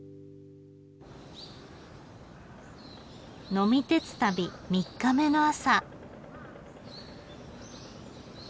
呑み鉄旅三日目の朝。